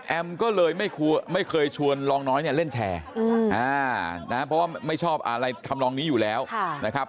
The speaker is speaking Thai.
ก็เลยไม่เคยชวนลองน้อยเนี่ยเล่นแชร์นะเพราะว่าไม่ชอบอะไรทำนองนี้อยู่แล้วนะครับ